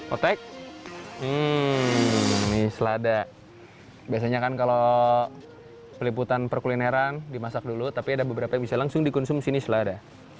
otek hmm mie selada biasanya kan kalau peliputan perkulineran dimasak dulu tapi ada beberapa yang bisa langsung dikonsumsi nih selada